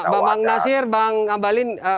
bapak nasir bang ambalin